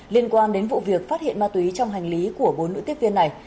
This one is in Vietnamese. liên quan đến vụ việc phát hiện ma túy trong hành lý của bốn nữ tiếp viên này